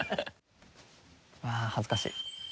うわあ恥ずかしい。